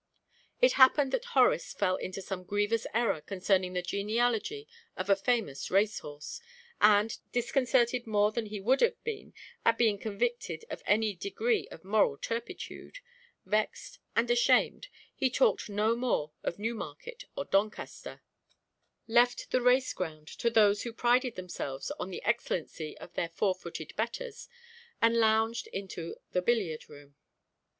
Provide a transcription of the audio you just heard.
It happened that Horace fell into some grievous error concerning the genealogy of a famous race horse, and, disconcerted more than he would have been at being convicted of any degree of moral turpitude, vexed and ashamed, he talked no more of Newmarket or of Doncaster, left the race ground to those who prided themselves on the excellences of their four footed betters, and lounged into the billiard room.